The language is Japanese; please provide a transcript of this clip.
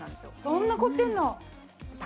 そんな凝ってんの！